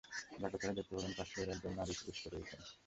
জাগ্রত হয়ে দেখতে পেলেন যে, তাঁর শিয়রে একজন নারী উপবিষ্ট রয়েছেন।